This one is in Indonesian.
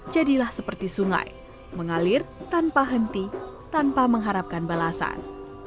jadilah seperti sungai mengalir tanpa henti tanpa mengharapkan balasan